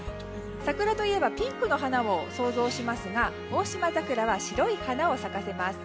桜といえばピンクの花を想像しますがオオシマザクラは白い花を咲かせます。